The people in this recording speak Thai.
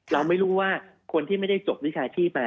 เราไม่รู้ว่าคนที่ไม่ได้จบวิชาชีพมา